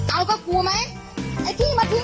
เอาก็กูไหม